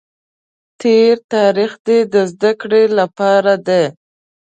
تېر تاریخ دې د زده کړې لپاره دی.